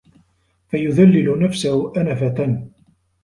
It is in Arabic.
فَيُذَلِّلُ نَفْسَهُ أَنَفَةً